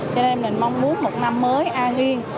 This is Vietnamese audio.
cho nên mình mong muốn một năm mới an yên